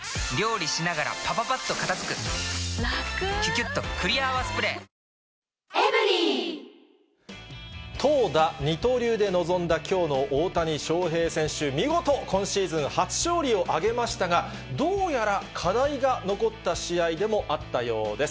キリン「生茶」投打二刀流で臨んだきょうの大谷翔平選手、見事、今シーズン初勝利を挙げましたが、どうやら課題が残った試合でもあったようです。